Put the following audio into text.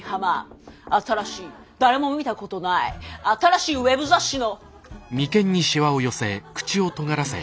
新しい誰も見たことない新しいウェブ雑誌の。